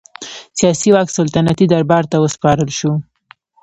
سیاسي واک سلطنتي دربار ته وسپارل شي.